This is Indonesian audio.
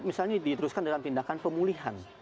misalnya diteruskan dalam tindakan pemulihan